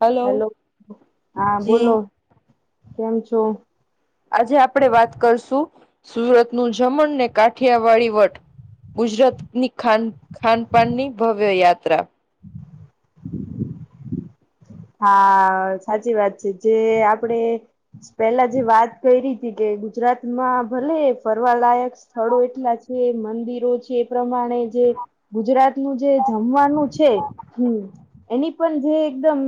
Hello hello. હા જી બોલો. કેમ છો? આજે આપણે વાત કરશું સુરતનું જમણ ને કાઠિયાવાડી વટ. ગુજરાત ની ખાન ખાનપાનની ભવ્ય યાત્રા. હા સાચી વાત છે. જે આપણે પેલા જે વાત કયરી તી કે ગુજરાતમાં ભલે ફરવા લાયક સ્થળો એટલા છે, મંદિરો છે એ પ્રમાણ ણે જે ગુજરાતનું જે જમવાનું છે હમ એની પણ જે એકદમ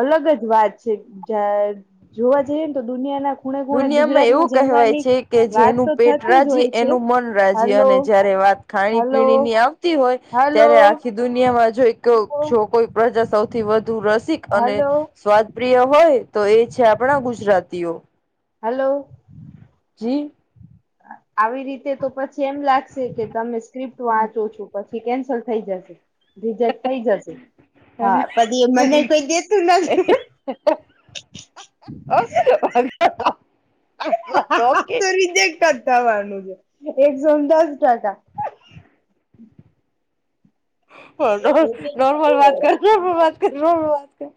અલગ જ વાત છે. જા જોવા જઈએ ને તો દુનિયાના ખૂણે ખૂણે દુનિયામાં ગુજરાતમાં એવું કહેવાય જમવાની છે કે વાત જેનું તો પેટ થતી જ રાજી હોય છે એનું મન રાજી હલો અને જયારે વાત હલો ખાણીપીણી ની આવતી હોય હલો ત્યારે આખી દુનિયામાં જોઈ જો કોઈક પ્રજા સૌથી વધુ રસિક અને હલો સ્વાદ પ્રિય હોય તો એ છે આપણા ગુજરાતીઓ. હલો. જી. આવી રીતે તો પછી એમ લાગશે કે તમે સ્ક્રિપ્ટ વાંચો છો પછ છી કેન્સલ થઈ જાશે. રિજેક્ટ થઈ જશે. હા પછી એ મને કોઈ દેતું નથી. [inaudible] [inaudible] હા હા આ ઓકે તો રિજેક્ટ જ થાવાનું છે. એકસો ને દસ ટકા. [inaudible] નોર્મલ વાત કર નોર્મલ વાત કર નોર્મલ વાત કર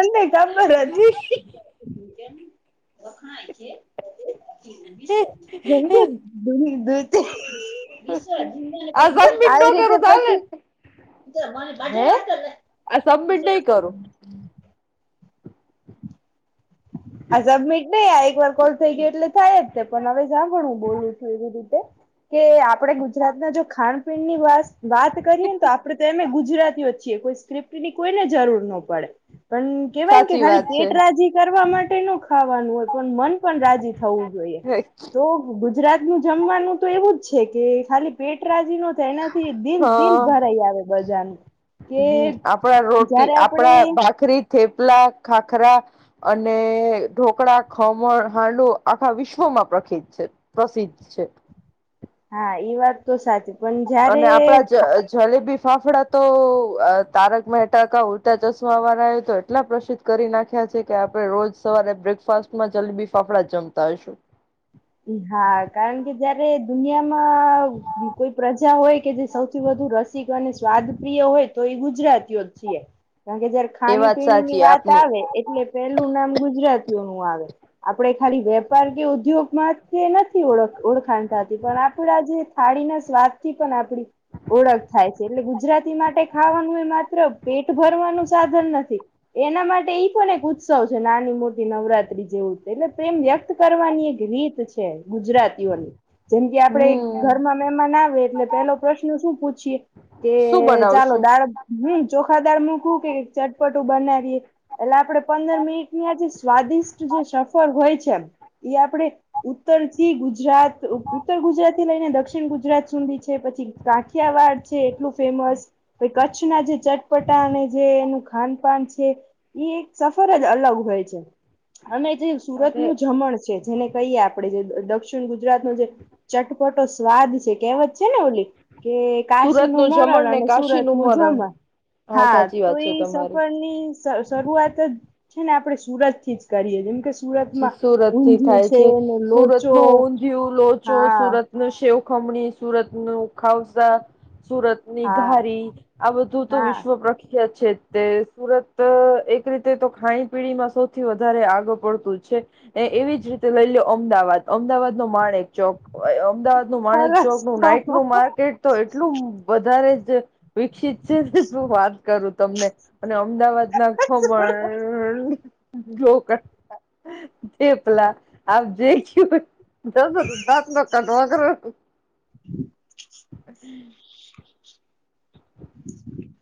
અને ખબર જ. કેમ વખણાય છે? જેમ કે દૂન [inaudible] આ [inaudible] સબમિટ ન આવી રીતે કરું ચાલે પછી ને હે? આ સબમીટ નઈ કરું. આ સબમિટ નઈ આ એકવાર કોલ થઈ ગયો એટલે થાય જ છે ને પણ હવે સાંભણ હું બોલું છું એવી રીતે. કે આપણેે ગુજરાતના જો ખાાનપીણની વાત વાત કરીએ ને તો આપડે તો એમેય ગુજરાતીઓ જ છીએ કોઈ સ્ક્રિપ્ટની કોઈને જરૂર નો પડે. પણ કેવાય ને કે સાચી ખાલી વાત છે પેટ રાજી કરવા માટે નો ખાવાનું હોય. પણ મન પણ રાજી થવું જોઈએ. તો ગુજરાતનું જમવાનું તો એવું જ છે કે ખાલી પેટ રાજી નો તો એનાથી દિલ દિલ હા ભરાઈ આવે બધાનું. કે હમ આપણા રોટલી જયારે આપડે આપણા ભાખરી, થેપલા, ખાખરા. અને ઢોકળા, ખમણ, હાંડવો આખા વિશ્વમાં પ્રખીત છે. પ્રસિદ્ધ છે. હા એ વાત તો સાચી. પણ જયારે અને આપણા જ ખા જલેબી ફાફડા તો અ તારક મહેતા કા ઉલટા ચશ્માવાળાએ તો એટલા પ્રસિદ્ધ કરી નાખ્યા છે કે આપણે રોજ સવારે બ્રેકફાસ્ટમાં જલેબી ફાફડા જ જમતા હશું. એહા કારણ કે જયારે દુનિયામાં બી કોઈ પ્રજા હોય કે જે સૌથી વધુ રસિક અને સ્વાદ પ્રિય હોય તો એ ગુજરાતીઓ. છીએ. કારણ કે જયારે એ વાત ખાણીપીણીની સાચી વાત આપની આવે. એટલે પેલું નામ ગુજરાતીઓનું આવે. આપણે ખાલી વેપાર કે ઉદ્યોગ માં તે નથી ઓળખ ઓળખાણ થાતી. પણ આપડા જે થાળીના સ્વાદથી પણ આપડી ઓળખ થાય છે, એટલે ગુજરાત. માટે ખાવાનું એ પેટ ભરવાનું નથી. એના માટે એઈ પણ એક ઉત્સવ છે, નાની-મોટી નવરાત્રી જેવું એટલે પ્રેમ વ્યક્ત કરવાની એક રીત છે, ગુજરાતીઓની. જેમ કે આપડે હમ ઘરમાં મહેમાન આવે એટલે પેલો પ્રશ્ન શું પૂછીએ? કે શું ચાલો બનાવશું? દાળ, હમ ચોખા દાળ મૂકવું કે ચટપટું બનાવીએ. એટલે આપણે પંદર મિનિટની આ જે સ્વાદિષ્ટ જે સફર હોય છેમ, એ આપણેે ઉત્તર થી ગુજરાત ઉત્તર ગુજરાત થી લઈને દક્ષિણ ગુજરાત સુુંધી છે પછી કાઠિયાવાડ છે, એટલું ફેમસ. કચ્છના જે ચટપટા અને જે એનું ખાનપાન છે. એ એક સફર જ અલગ હોય છે, અને જે સુરત અરે નું જમણ છે, જેને કહીએ આપડે જે દક્ષિણ ગુજરાતનો જે ચટપટો સ્વાદ છે, કેવત છે ને, ઓલી કે કાશી સુરત નું મરણ જમણ ને અને કાશી સુરત નું મરણ જમણ હા, સાચી તો વાત છે એ તમારી. સફર ની શરૂઆત છે ને, સુરત જ કરીએ જેમ કે સુરતમાં સુરત થી ઊંધિયું થાય છે, ને સુરત લોચો નું ઊંધિયું, લોચો હા સુરત ન શેવ-ખમણી સુરત ન ખાવસા સુરત. હા [unintelligible] આ બધું તો હા પ્રખ્યાત છે. તે સુરત એક રીતે તો ખાણી પીણીમાં સૌથી વધારે આગ પડતું જ. એવી જ રીતે લઈ લ્યો અમદાવાદ, અમદાવાદ નો માણેક ચોક. અમદાવાદ નું માણેક ચોક નું નાઈટ નું માર્કેટ તો એટલું વધારે જ. વિકસિત શું વાત કરું? તમને. અને અમદાવાદ ના સરસ ખમણ જો જેપલા આપ જે ક દસ ન કટવા કરો. હમ. હમ.